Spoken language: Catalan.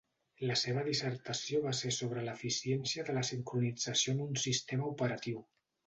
La seva dissertació va ser sobre l'eficiència de la sincronització en un sistema operatiu.